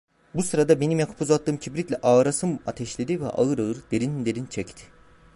Bu sırada benim yakıp uzattığım kibritle ağarasım ateşledi ve ağır ağır, derin derin çekti.